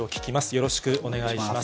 よろしくお願いします。